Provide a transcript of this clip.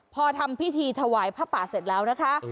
พอทำพิธีถวายผ้าป่าเสร็จแล้วนะคะ